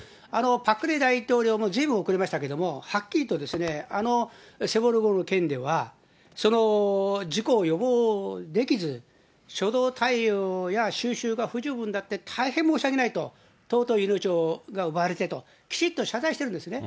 パク・クネ大統領もずいぶん遅れましたけれども、はっきりとあのセウォル号の件では、事故を予防できず、初動対応や収拾が不十分で大変申し訳ないと、尊い命が奪われてと、きちっと謝罪してるんですね。